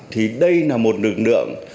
thì đây là một lực lượng